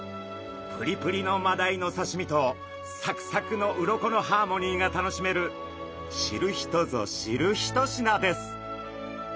プリプリのマダイのさしみとサクサクの鱗のハーモニーが楽しめる知る人ぞ知る一品です。